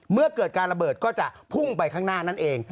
เมื่อเกิดการระเบิดก็จะพุ่งไปข้างหน้านั่นเอง